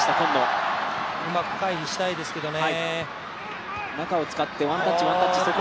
うまく回避したいですけどね。